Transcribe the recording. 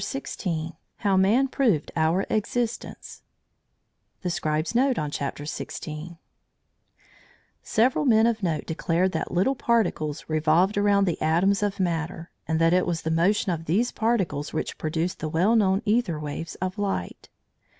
CHAPTER XVI HOW MAN PROVED OUR EXISTENCE THE SCRIBE'S NOTE ON CHAPTER SIXTEEN Several men of note declared that "little particles" revolved around the atoms of matter, and that it was the motion of these particles which produced the well known æther waves of light.